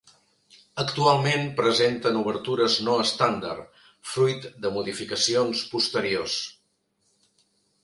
Actualment presenten obertures no estàndard, fruit de modificacions posteriors.